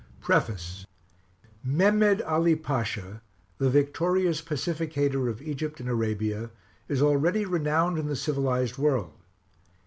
Service PREFACE MEHEMMED ALI PASHA, the victorious pacificator of Egypt and Arabia, is already renowned in the civilized world.